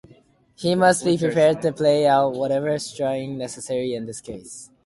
He must be prepared to play out whatever string necessary in this case.